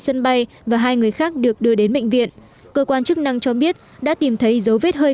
sân bay và hai người khác được đưa đến bệnh viện cơ quan chức năng cho biết đã tìm thấy dấu vết hơi